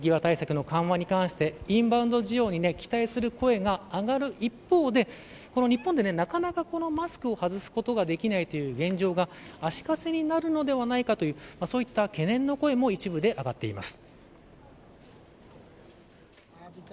この水際対策の緩和に関してインバウンド需要に期待する声が上がる一方で日本で、なかなかマスクを外すことができないという現状が足かせになるのではないかというそういった懸念の声も一部で上がっています。